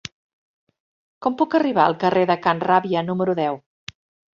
Com puc arribar al carrer de Can Ràbia número deu?